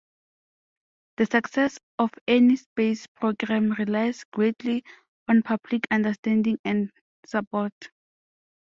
The success of any space program relies greatly on public understanding and support.